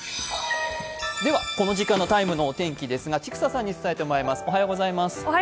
この時間の「ＴＩＭＥ，」のお天気ですが、千種さんに伝えてもらいます。